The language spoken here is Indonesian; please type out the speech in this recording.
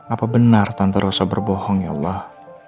apa benar tante rosa berbohong ya allah